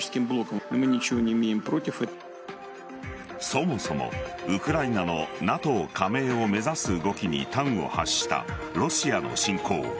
そもそもウクライナのＮＡＴＯ加盟を目指す動きに端を発したロシアの侵攻。